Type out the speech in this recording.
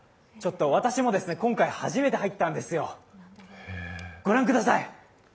私も今回初めて入ったんですよ、ご覧ください。